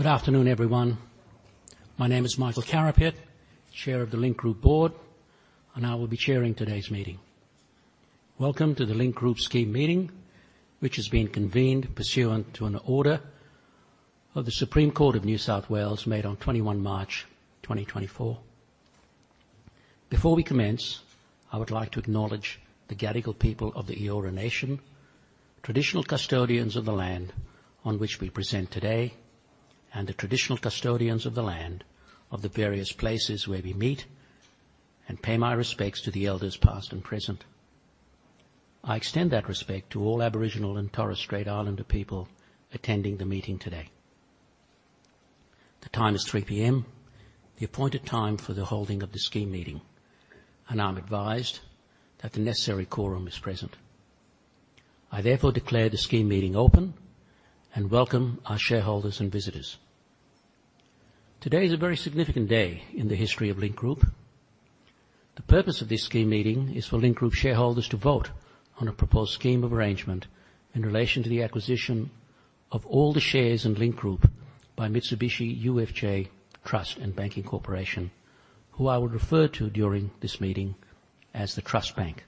Good afternoon, everyone. My name is Michael Carapiet, Chair of the Link Group Board, and I will be chairing today's meeting. Welcome to the Link Group Scheme Meeting, which has been convened pursuant to an order of the Supreme Court of New South Wales, made on 21 March 2024. Before we commence, I would like to acknowledge the Gadigal people of the Eora Nation, traditional custodians of the land on which we present today, and the traditional custodians of the land of the various places where we meet, and pay my respects to the elders, past and present. I extend that respect to all Aboriginal and Torres Strait Islander people attending the meeting today. The time is 3:00 P.M., the appointed time for the holding of the scheme meeting, and I'm advised that the necessary quorum is present. I therefore declare the scheme meeting open and welcome our shareholders and visitors. Today is a very significant day in the history of Link Group. The purpose of this scheme meeting is for Link Group shareholders to vote on a proposed scheme of arrangement in relation to the acquisition of all the shares in Link Group by Mitsubishi UFJ Trust and Banking Corporation, who I will refer to during this meeting as the Trust Bank.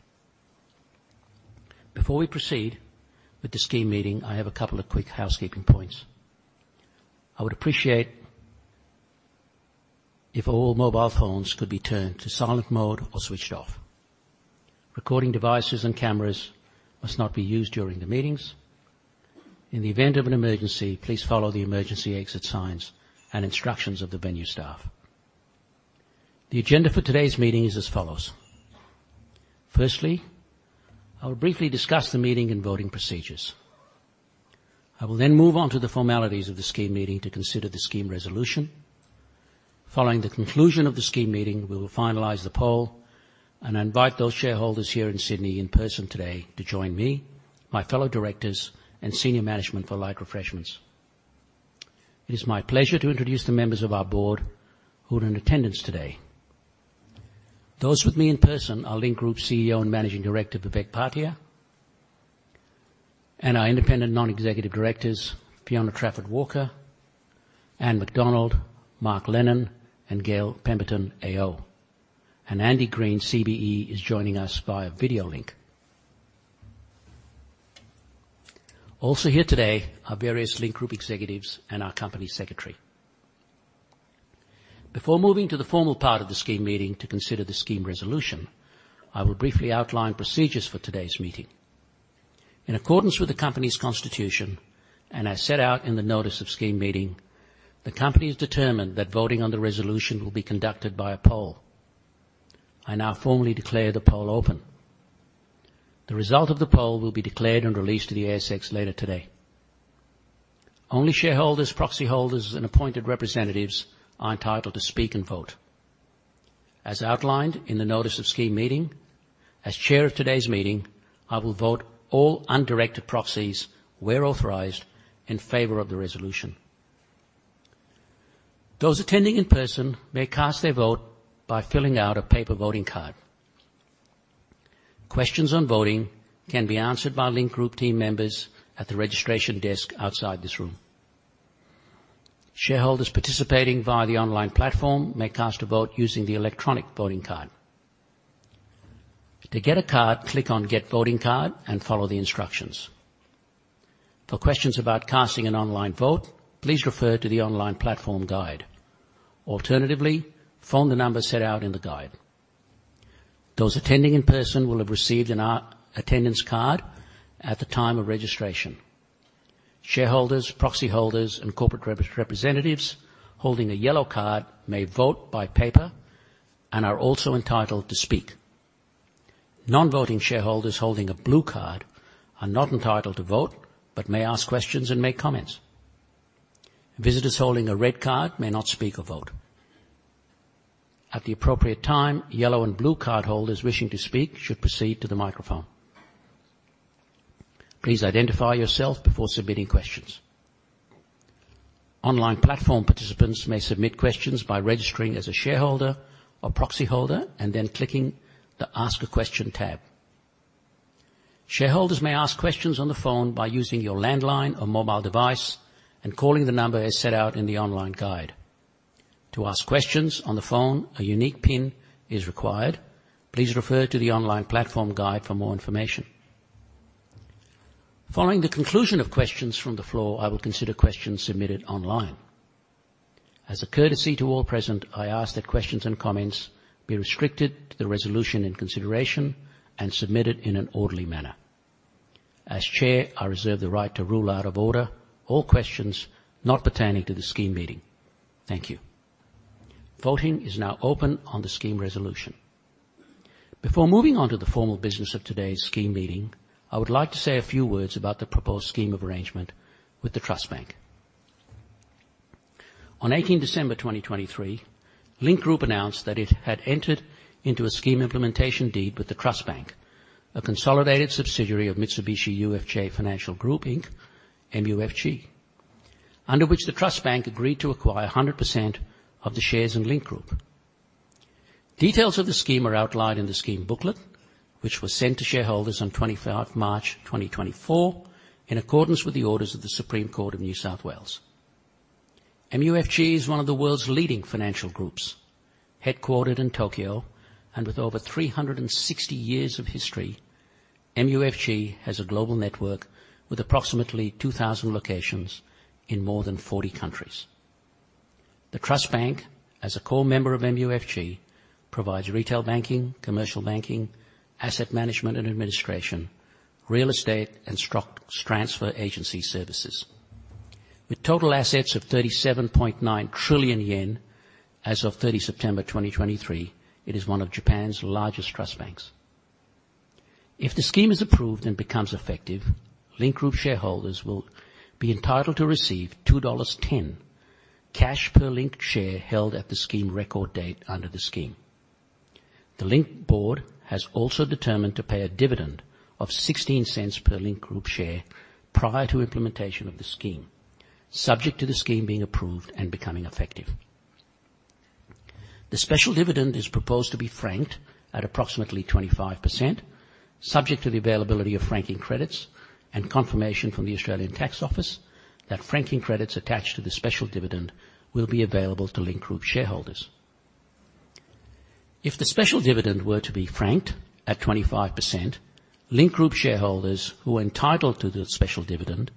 Before we proceed with the scheme meeting, I have a couple of quick housekeeping points. I would appreciate if all mobile phones could be turned to silent mode or switched off. Recording devices and cameras must not be used during the meetings. In the event of an emergency, please follow the emergency exit signs and instructions of the venue staff. The agenda for today's meeting is as follows: firstly, I will briefly discuss the meeting and voting procedures. I will then move on to the formalities of the scheme meeting to consider the scheme resolution. Following the conclusion of the scheme meeting, we will finalize the poll, and I invite those shareholders here in Sydney in person today to join me, my fellow directors and senior management, for light refreshments. It is my pleasure to introduce the members of our board who are in attendance today. Those with me in person are Link Group CEO and Managing Director, Vivek Bhatia, and our independent non-executive directors, Fiona Trafford-Walker, Anne McDonald, Mark Lennon, and Gail Pemberton, AO. Andy Green, CBE, is joining us via video link. Also here today are various Link Group executives and our company secretary. Before moving to the formal part of the scheme meeting to consider the scheme resolution, I will briefly outline procedures for today's meeting. In accordance with the Company's constitution and as set out in the notice of scheme meeting, the company has determined that voting on the resolution will be conducted by a poll. I now formally declare the poll open. The result of the poll will be declared and released to the ASX later today. Only shareholders, proxy holders, and appointed representatives are entitled to speak and vote. As outlined in the notice of scheme meeting, as chair of today's meeting, I will vote all undirected proxies, where authorized, in favor of the resolution. Those attending in person may cast their vote by filling out a paper voting card. Questions on voting can be answered by Link Group team members at the registration desk outside this room. Shareholders participating via the online platform may cast a vote using the electronic voting card. To get a card, click on Get Voting Card, and follow the instructions. For questions about casting an online vote, please refer to the online platform guide. Alternatively, phone the number set out in the guide. Those attending in person will have received an attendance card at the time of registration. Shareholders, proxy holders, and corporate representatives holding a yellow card may vote by paper and are also entitled to speak. Non-voting shareholders holding a blue card are not entitled to vote, but may ask questions and make comments. Visitors holding a red card may not speak or vote. At the appropriate time, yellow and blue cardholders wishing to speak should proceed to the microphone. Please identify yourself before submitting questions. Online platform participants may submit questions by registering as a shareholder or proxy holder and then clicking the Ask a Question tab. Shareholders may ask questions on the phone by using your landline or mobile device and calling the number as set out in the online guide. To ask questions on the phone, a unique PIN is required. Please refer to the online platform guide for more information. Following the conclusion of questions from the floor, I will consider questions submitted online. As a courtesy to all present, I ask that questions and comments be restricted to the resolution and consideration and submitted in an orderly manner. As Chair, I reserve the right to rule out of order all questions not pertaining to the scheme meeting. Thank you. Voting is now open on the scheme resolution. Before moving on to the formal business of today's scheme meeting, I would like to say a few words about the proposed scheme of arrangement with the Trust Bank. On 18 December 2023, Link Group announced that it had entered into a scheme implementation deed with the Trust Bank, a consolidated subsidiary of Mitsubishi UFJ Financial Group, Inc., MUFG, under which the Trust Bank agreed to acquire 100% of the shares in Link Group. Details of the scheme are outlined in the scheme booklet, which was sent to shareholders on 25th March 2024, in accordance with the orders of the Supreme Court of New South Wales. MUFG is one of the world's leading financial groups, headquartered in Tokyo, and with over 360 years of history, MUFG has a global network with approximately 2,000 locations in more than 40 countries. The Trust Bank, as a core member of MUFG, provides retail banking, commercial banking, asset management and administration, real estate, and stocks transfer agency services. With total assets of 37.9 trillion yen as of 30 September 2023, it is one of Japan's largest trust banks. If the scheme is approved and becomes effective, Link Group shareholders will be entitled to receive 2.10 dollars cash per Link share held at the scheme record date under the scheme. The Link board has also determined to pay a dividend of 0.16 per Link Group share prior to implementation of the scheme, subject to the scheme being approved and becoming effective. The special dividend is proposed to be franked at approximately 25%, subject to the availability of franking credits and confirmation from the Australian Tax Office that franking credits attached to the special dividend will be available to Link Group shareholders. If the special dividend were to be franked at 25%, Link Group shareholders who are entitled to the special dividend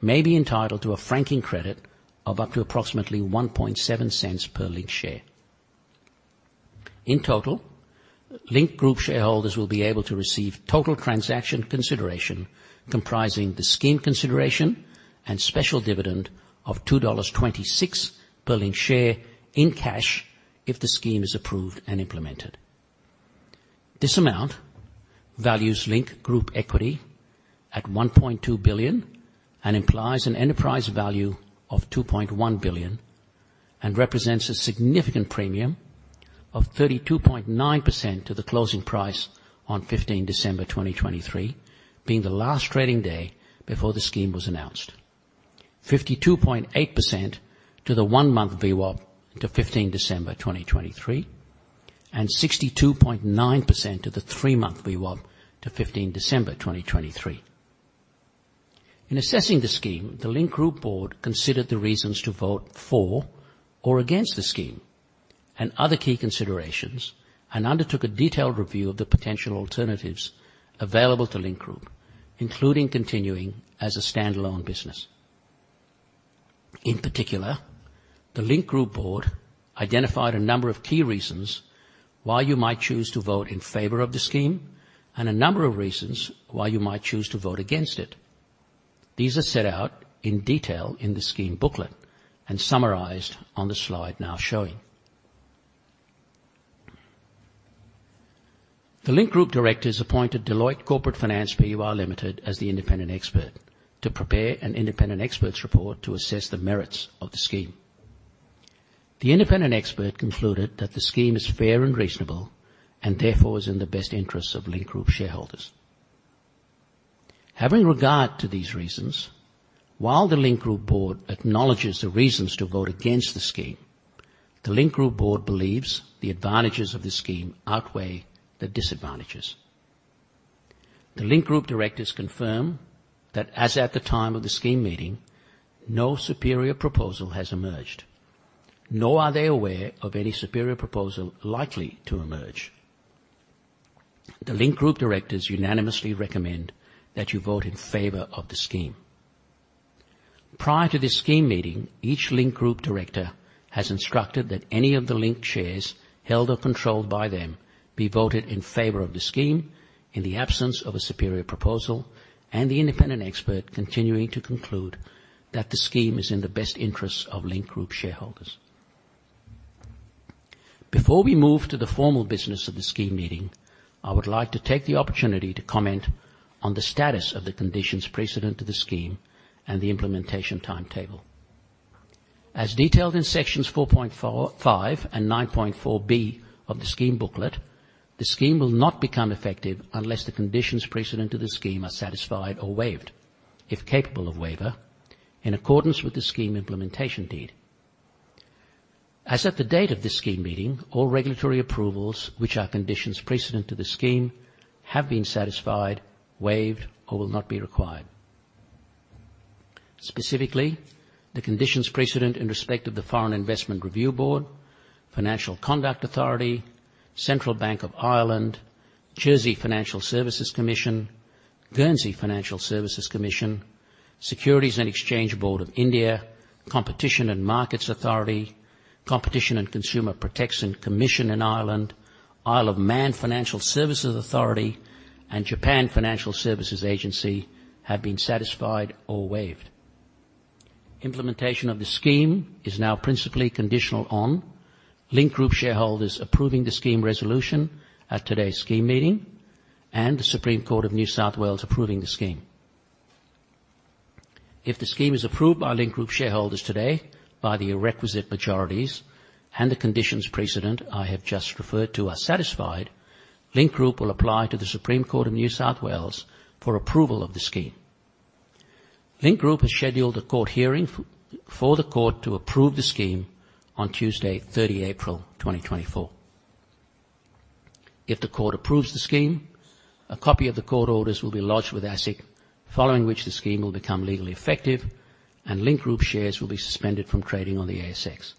may be entitled to a franking credit of up to approximately 0.017 per Link share. In total, Link Group shareholders will be able to receive total transaction consideration, comprising the scheme consideration and special dividend of 2.26 dollars per Link share in cash if the scheme is approved and implemented. This amount values Link Group equity at 1.2 billion and implies an enterprise value of 2.1 billion, and represents a significant premium of 32.9% to the closing price on 15 December 2023, being the last trading day before the scheme was announced. 52.8% to the one-month VWAP to 15 December 2023, and 62.9% to the three-month VWAP to 15 December 2023. In assessing the scheme, the Link Group board considered the reasons to vote for or against the scheme and other key considerations, and undertook a detailed review of the potential alternatives available to Link Group, including continuing as a standalone business. In particular, the Link Group board identified a number of key reasons why you might choose to vote in favor of the scheme and a number of reasons why you might choose to vote against it. These are set out in detail in the scheme booklet and summarized on the slide now showing. The Link Group directors appointed Deloitte Corporate Finance Pty Limited as the independent expert to prepare an independent expert's report to assess the merits of the scheme. The independent expert concluded that the scheme is fair and reasonable, and therefore is in the best interests of Link Group shareholders. Having regard to these reasons, while the Link Group board acknowledges the reasons to vote against the scheme, the Link Group board believes the advantages of the scheme outweigh the disadvantages. The Link Group directors confirm that, as at the time of the scheme meeting, no superior proposal has emerged, nor are they aware of any superior proposal likely to emerge. The Link Group directors unanimously recommend that you vote in favor of the scheme. Prior to this scheme meeting, each Link Group director has instructed that any of the Link shares held or controlled by them be voted in favor of the scheme in the absence of a superior proposal, and the independent expert continuing to conclude that the scheme is in the best interests of Link Group shareholders. Before we move to the formal business of the scheme meeting, I would like to take the opportunity to comment on the status of the conditions precedent to the scheme and the implementation timetable. As detailed in sections 4.45 and 9.4B of the scheme booklet, the scheme will not become effective unless the conditions precedent to the scheme are satisfied or waived, if capable of waiver, in accordance with the scheme implementation deed. As at the date of this scheme meeting, all regulatory approvals which are conditions precedent to the scheme have been satisfied, waived, or will not be required. Specifically, the conditions precedent in respect of the Foreign Investment Review Board, Financial Conduct Authority, Central Bank of Ireland, Jersey Financial Services Commission, Guernsey Financial Services Commission, Securities and Exchange Board of India, Competition and Markets Authority, Competition and Consumer Protection Commission in Ireland, Isle of Man Financial Services Authority, and Japan Financial Services Agency have been satisfied or waived. Implementation of the scheme is now principally conditional on Link Group shareholders approving the scheme resolution at today's scheme meeting and the Supreme Court of New South Wales approving the scheme. If the scheme is approved by Link Group shareholders today by the requisite majorities and the conditions precedent I have just referred to are satisfied, Link Group will apply to the Supreme Court of New South Wales for approval of the scheme. Link Group has scheduled a court hearing for the court to approve the scheme on Tuesday, 30 April, 2024. If the court approves the scheme, a copy of the court orders will be lodged with ASIC, following which the scheme will become legally effective and Link Group shares will be suspended from trading on the ASX.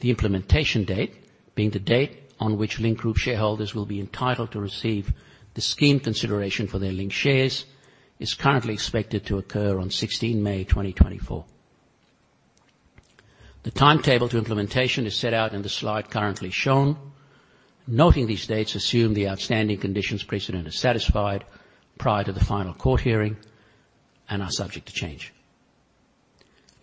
The implementation date, being the date on which Link Group shareholders will be entitled to receive the scheme consideration for their Link shares, is currently expected to occur on 16 May 2024. The timetable to implementation is set out in the slide currently shown. Noting these dates assume the outstanding conditions precedent is satisfied prior to the final court hearing and are subject to change.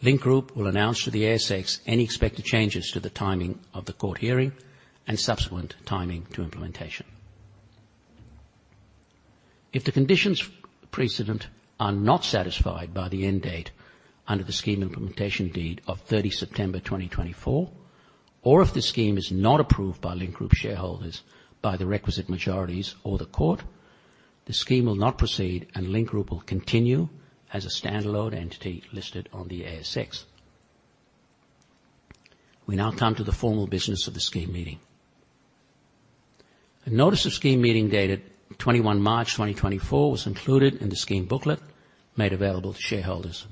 Link Group will announce to the ASX any expected changes to the timing of the court hearing and subsequent timing to implementation. If the conditions precedent are not satisfied by the end date under the scheme implementation deed of 30 September 2024, or if the scheme is not approved by Link Group shareholders by the requisite majorities or the court, the scheme will not proceed, and Link Group will continue as a standalone entity listed on the ASX. We now come to the formal business of the scheme meeting. A notice of scheme meeting dated 21 March 2024 was included in the scheme booklet made available to shareholders.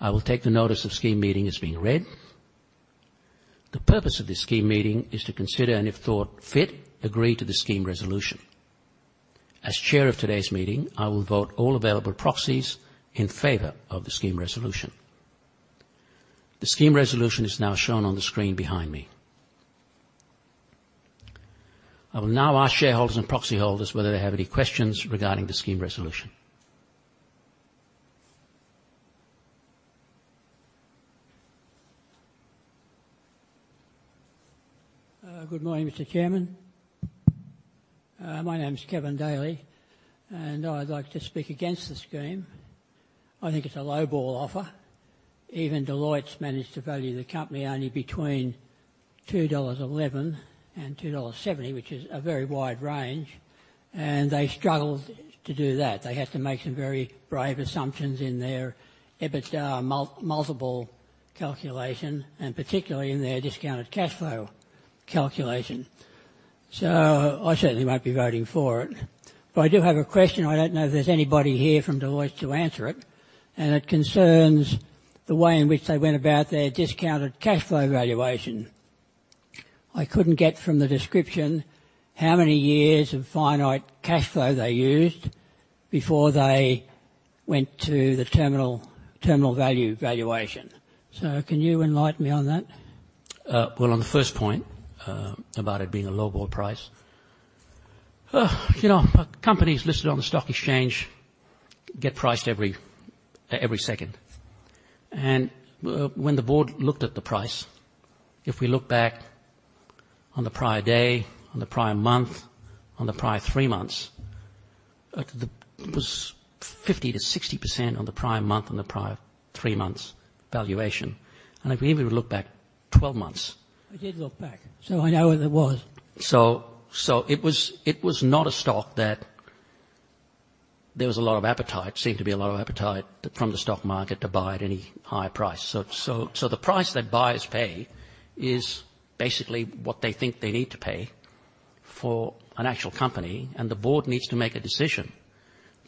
I will take the notice of scheme meeting as being read. The purpose of this scheme meeting is to consider, and if thought fit, agree to the scheme resolution. As chair of today's meeting, I will vote all available proxies in favor of the scheme resolution. The scheme resolution is now shown on the screen behind me. I will now ask shareholders and proxy holders whether they have any questions regarding the scheme resolution. Good morning, Mr. Chairman. My name is Kevin Daly, and I'd like to speak against the scheme. I think it's a lowball offer. Even Deloitte's managed to value the company only between 2.11 dollars and 2.70 dollars, which is a very wide range, and they struggled to do that. They had to make some very brave assumptions in their EBITDA multiple calculation, and particularly in their discounted cash flow calculation. So I certainly won't be voting for it. But I do have a question. I don't know if there's anybody here from Deloitte to answer it, and it concerns the way in which they went about their discounted cash flow valuation. I couldn't get from the description how many years of finite cash flow they used before they went to the terminal value valuation. So can you enlighten me on that? Well, on the first point, about it being a lowball price, you know, companies listed on the stock exchange get priced every second. And when the board looked at the price, if we look back on the prior day, on the prior month, on the prior three months, it was 50%-60% on the prior month, on the prior three months' valuation. And if we even look back 12 months- I did look back, so I know what it was. So it was not a stock that there was a lot of appetite, seemed to be a lot of appetite from the stock market to buy at any higher price. So the price that buyers pay is basically what they think they need to pay for an actual company, and the board needs to make a decision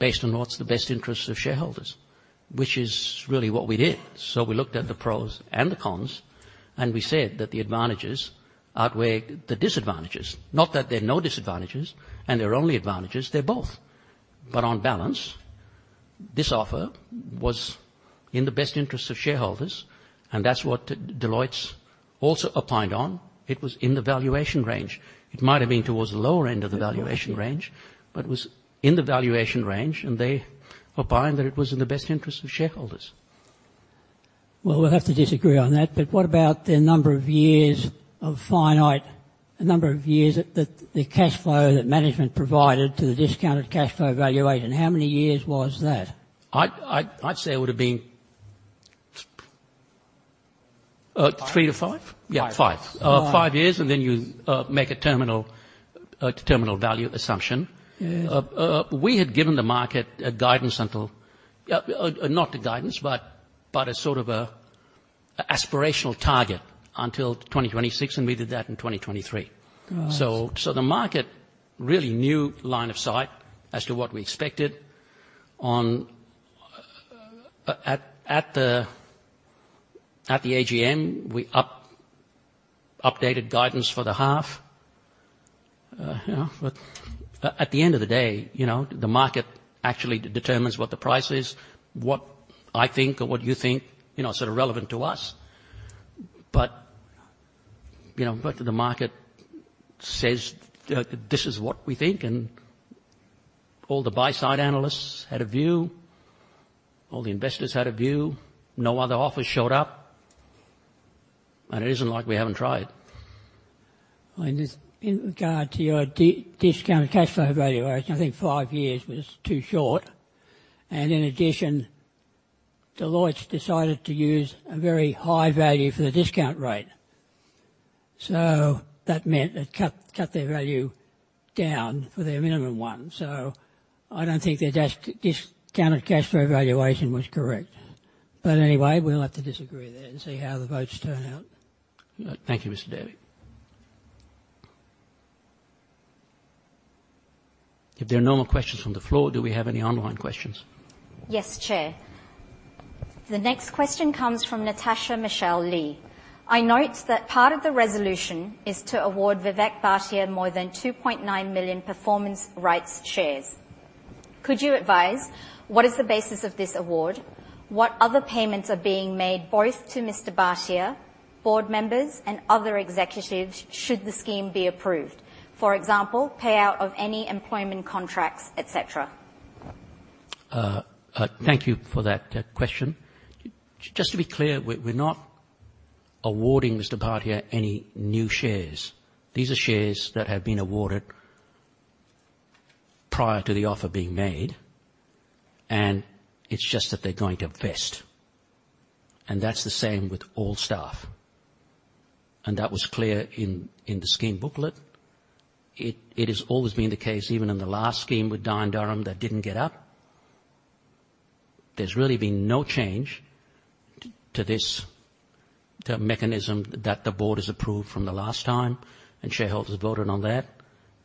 based on what's the best interests of shareholders, which is really what we did. So we looked at the pros and the cons, and we said that the advantages outweigh the disadvantages. Not that there are no disadvantages, and there are only advantages, they're both. But on balance, this offer was in the best interest of shareholders, and that's what Deloitte's also opined on. It was in the valuation range. It might have been towards the lower end of the valuation range, but it was in the valuation range, and they opined that it was in the best interest of shareholders. Well, we'll have to disagree on that. But what about the number of years of finite...? The number of years that the cash flow that management provided to the discounted cash flow valuation? How many years was that? I'd say it would have been... 3-5? Five. Yeah, five. Right. Five years, and then you make a terminal terminal value assumption. Yes. We had given the market a guidance until, not a guidance, but a sort of an aspirational target until 2026, and we did that in 2023. Right. So the market really knew line of sight as to what we expected on at the AGM, we updated guidance for the half. You know, but at the end of the day, you know, the market actually determines what the price is, what I think or what you think, you know, sort of relevant to us. But, you know, the market says, "this is what we think." And all the buy-side analysts had a view, all the investors had a view. No other offers showed up, and it isn't like we haven't tried. Well, in regard to your discounted cash flow valuation, I think five years was too short, and in addition, Deloitte decided to use a very high value for the discount rate. So that meant it cut their value down for their minimum one. So I don't think their discounted cash flow evaluation was correct. But anyway, we'll have to disagree there and see how the votes turn out. Thank you, Mr. Daly. If there are no more questions from the floor, do we have any online questions? Yes, Chair. The next question comes from Natasha Michelle Lee: I note that part of the resolution is to award Vivek Bhatia more than 2.9 million performance rights shares. Could you advise what is the basis of this award? What other payments are being made both to Mr. Bhatia, board members, and other executives, should the scheme be approved? For example, payout of any employment contracts, et cetera. Thank you for that question. Just to be clear, we're not awarding Mr. Bhatia any new shares. These are shares that have been awarded prior to the offer being made, and it's just that they're going to vest, and that's the same with all staff, and that was clear in the scheme booklet. It has always been the case, even in the last scheme with Dye & Durham, that didn't get up. There's really been no change to this, the mechanism that the board has approved from the last time, and shareholders voted on that,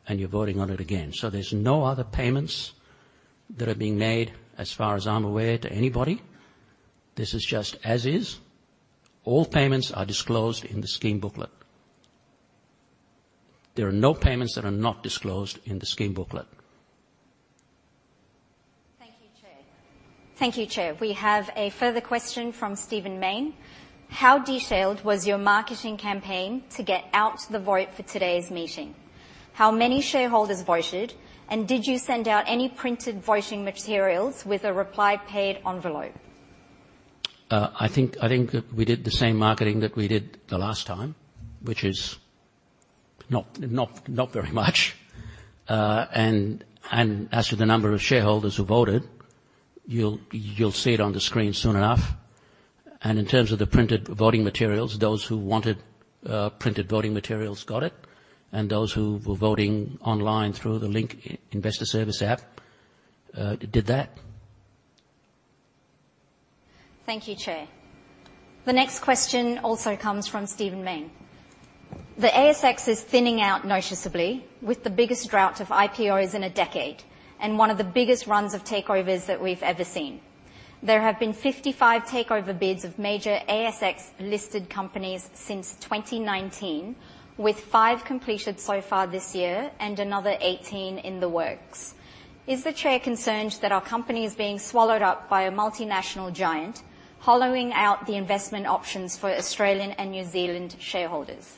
and you're voting on it again. So there's no other payments that are being made, as far as I'm aware, to anybody. This is just as is. All payments are disclosed in the scheme booklet. There are no payments that are not disclosed in the scheme booklet. Thank you, Chair. Thank you, Chair. We have a further question from Stephen Mayne. How detailed was your marketing campaign to get out the vote for today's meeting? How many shareholders voted, and did you send out any printed voting materials with a reply paid envelope? I think we did the same marketing that we did the last time, which is not very much. And as for the number of shareholders who voted, you'll see it on the screen soon enough. In terms of the printed voting materials, those who wanted printed voting materials got it, and those who were voting online through the Link Investor Service app did that. Thank you, Chair. The next question also comes from Stephen Mayne. The ASX is thinning out noticeably, with the biggest drought of IPOs in a decade, and one of the biggest runs of takeovers that we've ever seen. There have been 55 takeover bids of major ASX-listed companies since 2019, with 5 completed so far this year and another 18 in the works. Is the Chair concerned that our company is being swallowed up by a multinational giant, hollowing out the investment options for Australian and New Zealand shareholders?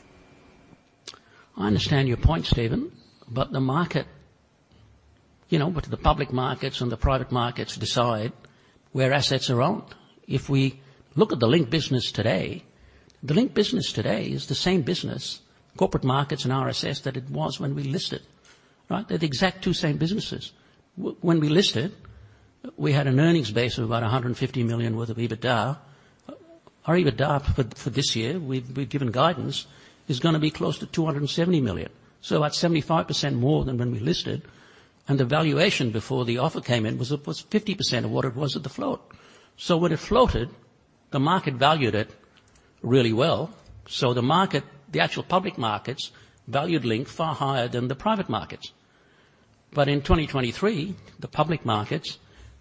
I understand your point, Stephen, but the market... You know, but the public markets and the private markets decide where assets are owned. If we look at the Link business today, the Link business today is the same business, corporate markets and RSS, that it was when we listed, right? They're the exact two same businesses. When we listed, we had an earnings base of about 150 million worth of EBITDA. Our EBITDA for this year, we've given guidance, is gonna be close to 270 million, so about 75% more than when we listed, and the valuation before the offer came in was 50% of what it was at the float. So when it floated, the market valued it really well. So the market, the actual public markets, valued Link far higher than the private markets. But in 2023, the public markets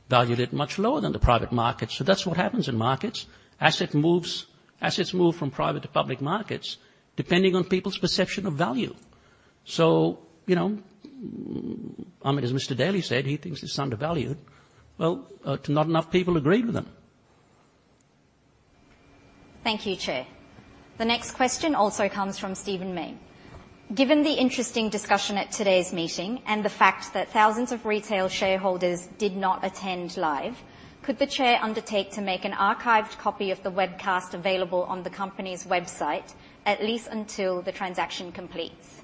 valued it much lower than the private markets. So that's what happens in markets. Asset moves, assets move from private to public markets, depending on people's perception of value. So, you know, as Mr. Daly said, he thinks it's undervalued. Well, not enough people agree with him. Thank you, Chair. The next question also comes from Stephen Mayne. Given the interesting discussion at today's meeting and the fact that thousands of retail shareholders did not attend live, could the Chair undertake to make an archived copy of the webcast available on the company's website, at least until the transaction completes?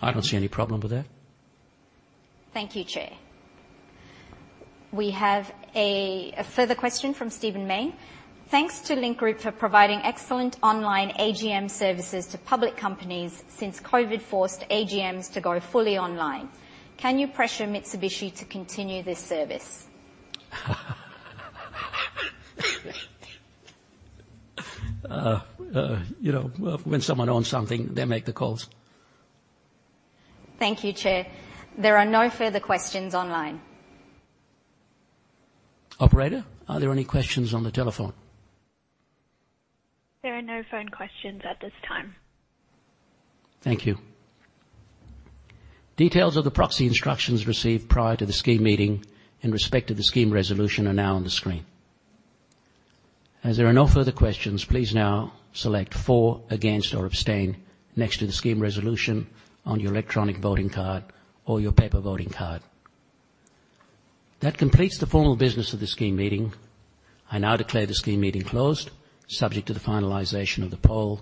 I don't see any problem with that. Thank you, Chair. We have a further question from Stephen Mayne. Thanks to Link Group for providing excellent online AGM services to public companies since COVID forced AGMs to go fully online. Can you pressure Mitsubishi to continue this service? you know, when someone owns something, they make the calls. Thank you, Chair. There are no further questions online. Operator, are there any questions on the telephone? There are no phone questions at this time. Thank you. Details of the proxy instructions received prior to the scheme meeting in respect to the scheme resolution are now on the screen. As there are no further questions, please now select for, against, or abstain next to the scheme resolution on your electronic voting card or your paper voting card. That completes the formal business of the scheme meeting. I now declare the scheme meeting closed, subject to the finalization of the poll.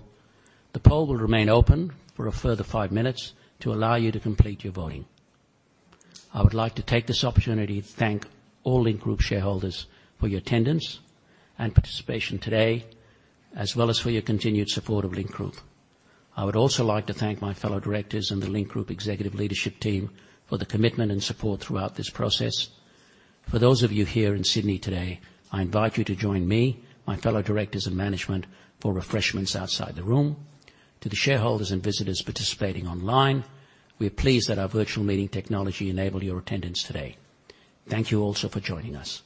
The poll will remain open for a further five minutes to allow you to complete your voting. I would like to take this opportunity to thank all Link Group shareholders for your attendance and participation today, as well as for your continued support of Link Group. I would also like to thank my fellow directors and the Link Group executive leadership team for the commitment and support throughout this process. For those of you here in Sydney today, I invite you to join me, my fellow directors and management, for refreshments outside the room. To the shareholders and visitors participating online, we are pleased that our virtual meeting technology enabled your attendance today. Thank you also for joining us.